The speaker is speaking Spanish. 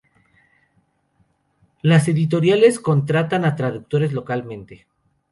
Las editoriales contratan a traductores localmente.